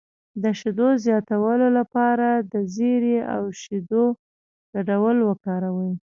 د شیدو زیاتولو لپاره د زیرې او شیدو ګډول وکاروئ